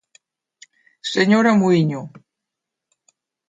Señora Muíño.